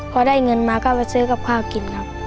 พอได้เงินมาก็ไปซื้อกับข้าวกินครับ